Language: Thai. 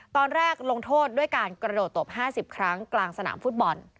ตอนแรกลงโทษด้วยการกระโดดตบ๕๐ครั้งกลางสนามฟุตบอล